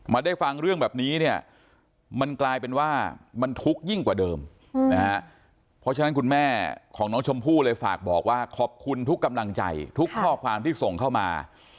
ได้ฟังเรื่องแบบนี้เนี่ยมันกลายเป็นว่ามันทุกข์ยิ่งกว่าเดิมนะฮะเพราะฉะนั้นคุณแม่ของน้องชมพู่เลยฝากบอกว่าขอบคุณทุกกำลังใจทุกข้อความที่ส่งเข้ามา